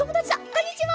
こんにちは！